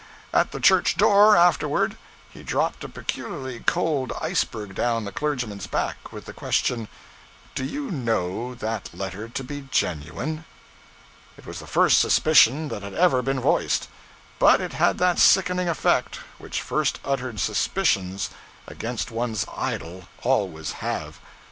At the church door, afterward, he dropped a peculiarly cold iceberg down the clergyman's back with the question 'Do you know that letter to be genuine?' It was the first suspicion that had ever been voiced; but it had that sickening effect which first uttered suspicions against one's idol always have.